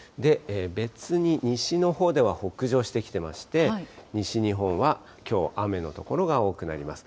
別に西のほうでは北上してきてまして、西日本はきょう、雨の所が多くなります。